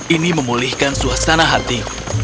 ini memulihkan suasana hatimu